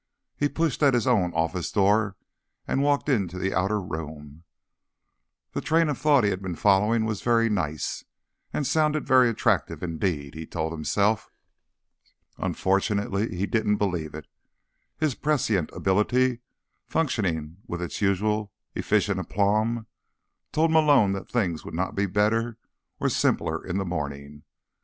He pushed at his own office door and walked into the outer room. The train of thought he had been following was very nice, and sounded very attractive indeed, he told himself. Unfortunately, he didn't believe it. His prescient ability, functioning with its usual efficient aplomb, told Malone that things would not be better, or simpler, in the morning.